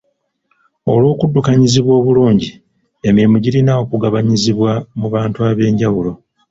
Olw'okuddukanyizibwa obulungi, emirimu girina okugabanyizibwa mu bantu ab'enjawulo.